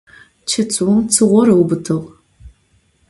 Çetıum tsığor ıubıtığ.